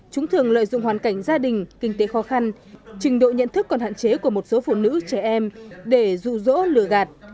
sử dụng hoàn cảnh gia đình kinh tế khó khăn trình độ nhận thức còn hạn chế của một số phụ nữ trẻ em để dụ dỗ lừa gạt